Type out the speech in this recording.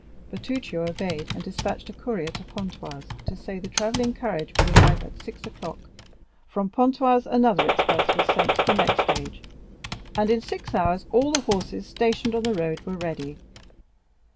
Bertuccio obeyed and despatched a courier to Pontoise to say the travelling carriage would arrive at six o'clock. From Pontoise another express was sent to the next stage, and in six hours all the horses stationed on the road were ready.